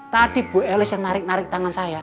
tadi bu elis yang narik narik tangan saya